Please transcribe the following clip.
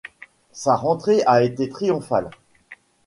Sa rentrée a été triomphale.